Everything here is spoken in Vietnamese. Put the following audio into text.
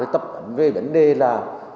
tập hợp về vấn đề là